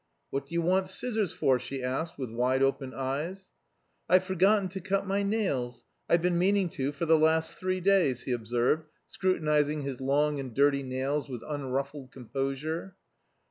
"What do you want scissors for?" she asked, with wide open eyes. "I've forgotten to cut my nails; I've been meaning to for the last three days," he observed, scrutinising his long and dirty nails with unruffled composure.